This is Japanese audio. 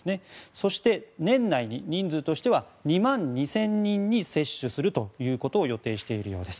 そして、年内に人数としては２万２０００人に接種するということを予定しているようです。